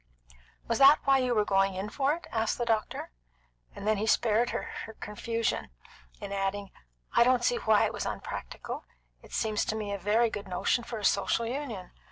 "Was that why you were going in for it?" asked the doctor; and then he spared her confusion in adding: "I don't see why it was unpractical. It seems to me a very good notion for a Social Union.